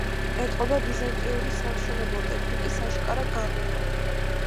ეტყობა ბიზანტიური სამშენებლო ტექნიკის აშკარა გავლენა.